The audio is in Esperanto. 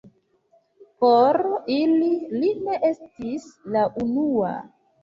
Por ili, li ne estis la unua.